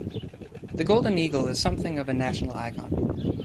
The golden eagle is something of a national icon.